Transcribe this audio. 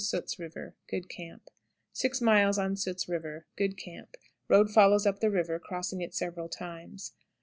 Soot's River. Good camp. 6. Soot's River. Good camp. Road follows up the river, crossing it several times.